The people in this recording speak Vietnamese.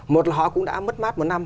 một là họ cũng đã mất mát một năm